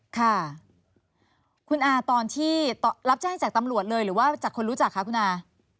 ค่ะคุณอาตอนที่รับแจ้งจากตำรวจเลยหรือว่าจากคนรู้จักคะคุณอา